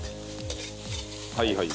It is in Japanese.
はいはい。